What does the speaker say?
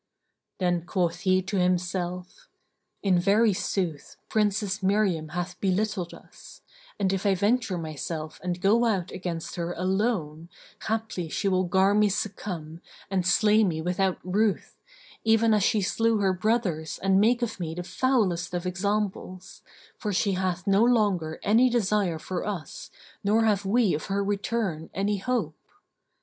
Then quoth he to himself, "In very sooth Princess Miriam hath belittled us; and if I venture myself and go out against her alone, haply she will gar me succumb and slay me without ruth, even as she slew her brothers and make of me the foulest of examples, for she hath no longer any desire for us nor have we of her return any hope.